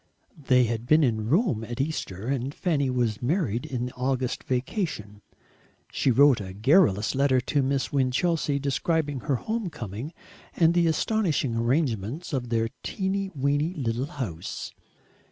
They had been in Rome at Easter, and Fanny was married in the August vacation. She wrote a garrulous letter to Miss Winchelsea, describing her home coming, and the astonishing arrangements of their "teeny weeny" little house.